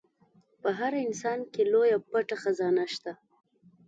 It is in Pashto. په هر انسان کې لويه پټه خزانه شته.